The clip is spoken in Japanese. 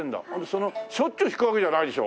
そのしょっちゅう弾くわけじゃないでしょ？